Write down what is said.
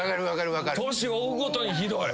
年追うごとにひどい。